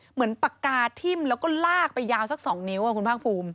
เหมือนปากกาทิ่มแล้วก็ลากไปยาวสัก๒นิ้วคุณภาคภูมิ